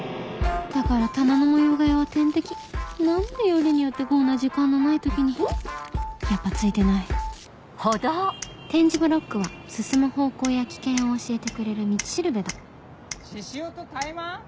だから棚の模様替えは天敵何でよりによってこんな時間のない時にやっぱツイてない点字ブロックは進む方向や危険を教えてくれる道しるべだ獅子王とタイマン？